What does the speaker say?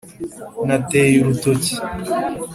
Nateye urutoki